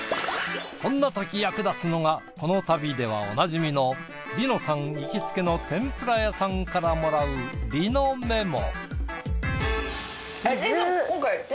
こんなとき役立つのがこの旅ではおなじみの梨乃さん行きつけの天ぷら屋さんからもらう梨乃メモ。